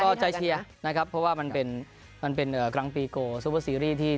ก็ใจเชียร์นะครับเพราะว่ามันเป็นมันเป็นกลางปีโกซูเปอร์ซีรีส์ที่